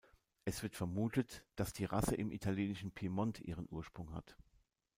Es wird vermutet, dass die Rasse im italienischen Piemont ihren Ursprung hat.